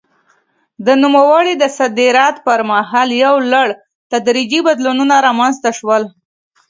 د نوموړي د صدارت پر مهال یو لړ تدریجي بدلونونه رامنځته شول.